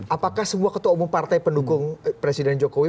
apakah semua ketua umum partai pendukung presiden jokowi